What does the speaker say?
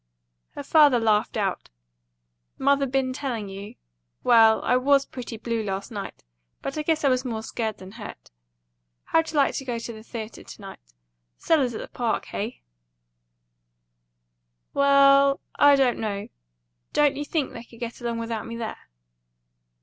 Her father laughed out. "Mother been telling you? Well, I WAS pretty blue last night; but I guess I was more scared than hurt. How'd you like to go to the theatre to night? Sellers at the Park. Heigh?" "Well, I don't know. Don't you think they could get along without me there?"